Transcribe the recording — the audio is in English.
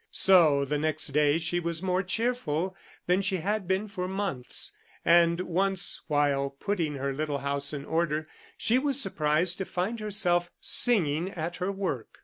So the next day she was more cheerful than she had been for months, and once, while putting her little house in order, she was surprised to find herself singing at her work.